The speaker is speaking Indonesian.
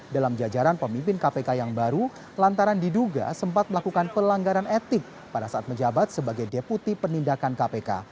dalam jajaran pemimpin kpk yang baru lantaran diduga sempat melakukan pelanggaran etik pada saat menjabat sebagai deputi penindakan kpk